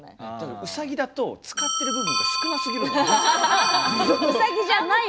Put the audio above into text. うさぎだと使ってる部分が少なすぎるのよ。